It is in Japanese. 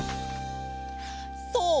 そう！